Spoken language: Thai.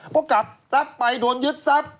เพราะกลับทรัพย์ไปโดนยึดทรัพย์